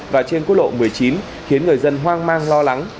và trên quốc lộ một mươi chín khiến người dân hoang mang lo lắng